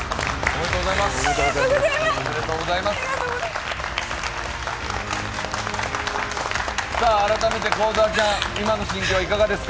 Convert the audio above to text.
おめでとうございます。